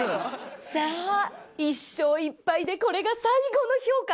さあ１勝１敗でこれが最後の評価！